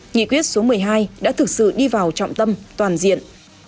nghị quyết số một mươi hai đã thực sự đi vào trọng tâm toàn diện